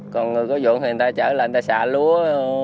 còn người có dụng thì người ta chở lên người ta xả lúa